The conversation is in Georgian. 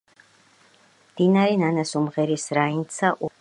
მდინარე ნანას უმღერისრაინდსა ურჩსა მტრისასა.